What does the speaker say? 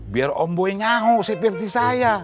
biar om boy nyahu seperti saya